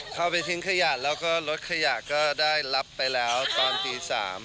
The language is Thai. เข้าไปทิ้งขยะแล้วก็รถขยะก็ได้รับไปแล้วตอนตี๓